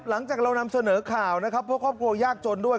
หลังจากเรานำเสนอข่าวนะครับเพราะครอบครัวยากจนด้วย